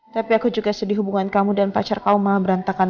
tapi aku juga sedih hubungan kamu dan pacar kau malah berantakan